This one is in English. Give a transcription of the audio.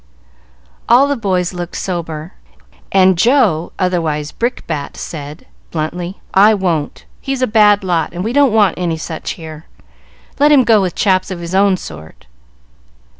All the boys looked sober, and Joe, otherwise Brickbat, said, bluntly, "I won't. He's a bad lot, and we don't want any such here. Let him go with chaps of his own sort."